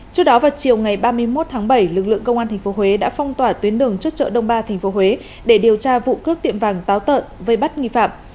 trước đó vào chiều ngày ba mươi một tháng bảy lực lượng công an tp huế đã phong tỏa tuyến đường trước chợ đông ba tp huế để điều tra vụ cướp tiệm vàng táo tợn vây bắt nghi phạm